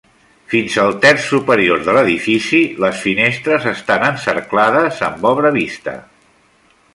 Fins al terç superior de l'edifici les finestres estan encerclades amb obra vista.